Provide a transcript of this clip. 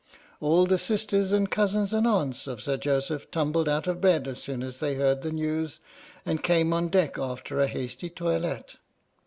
All the sisters and cousins and aunts of Sir Joseph tumbled out of bed as soon as they heard the news, and came on deck after a hasty toilette.